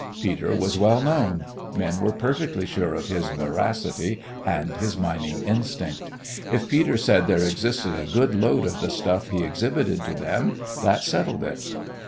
Peter was well known. Men were perfectly sure of his veracity and his mining instinct. If Peter said there existed a good lode of the stuff he exhibited to them, that settled it.